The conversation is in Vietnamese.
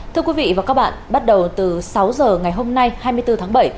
thưa quý vị và các bạn bắt đầu từ sáu giờ ngày hôm nay hai mươi bốn tháng bảy